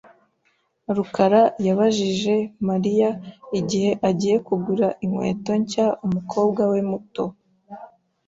rukara yabajije Mariya igihe agiye kugura inkweto nshya umukobwa we muto .